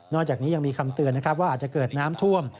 จากนี้ยังมีคำเตือนนะครับว่าอาจจะเกิดน้ำท่วม